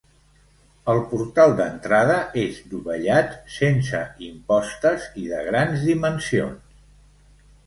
El portal d'entrada és dovellat, sense impostes i de grans dimensions.